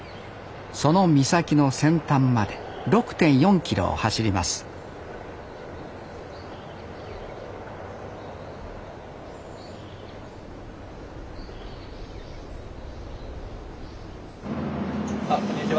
その岬の先端まで６．４キロを走りますあこんにちは。